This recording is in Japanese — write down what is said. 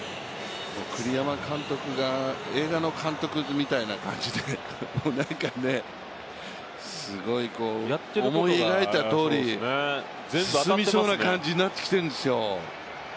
栗山監督が映画の監督みたいな感じで、思い描いたとおり進みそうな感じになってきているんですよ。